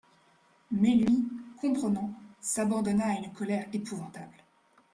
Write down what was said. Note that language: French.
Mais lui, comprenant, s'abandonna à une colère épouvantable.